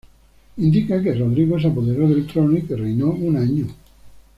Indica que Rodrigo se apoderó del trono y que reinó un año.